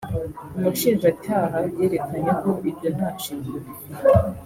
umushinjacyaha yerekanye ko ibyo nta shingiro bifite